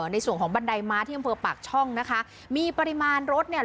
ในส่วนของบันไดม้าที่อำเภอปากช่องนะคะมีปริมาณรถเนี่ย